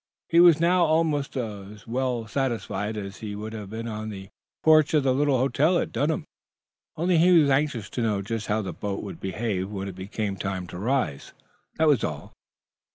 He was now almost as well satisfied as he would have been on the porch of the little hotel at Dunhaven. Only he was anxious to know just how the boat would behave when it became time to rise. That was all.